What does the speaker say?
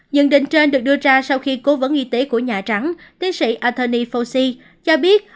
nhận định trên được đưa ra sau khi cố vấn y tế của nhà trắng tiến sĩ anthony fauci cho biết